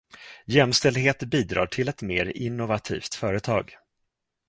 Jämställdhet bidrar till ett mer innovativt företag.